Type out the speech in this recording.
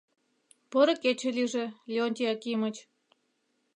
Поро кече лийже, Леонтий Акимыч?..